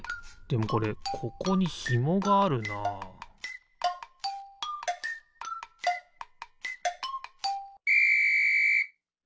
でもこれここにヒモがあるなピッ！